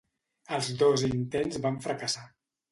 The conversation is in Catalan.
Els dos intents van fracassar.